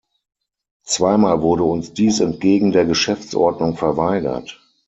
Zweimal wurde uns dies entgegen der Geschäftsordnung verweigert.